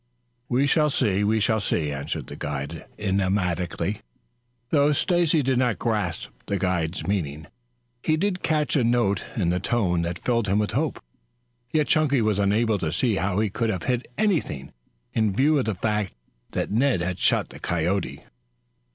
"We shall see, we shall see," answered the guide enigmatically. Though Stacy did not grasp the guide's meaning, he did catch a note in the tone that filled him with hope. Yet Chunky was unable to see how he could have hit anything, in view of the fact that Ned had shot the coyote.